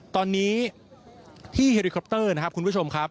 ตอนนี้ที่เฮลิคอปเตอร์นะครับคุณผู้ชมครับ